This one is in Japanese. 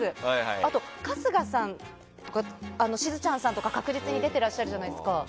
あと、春日さんとかしずちゃんさんとか確実に出てらっしゃるじゃないですか。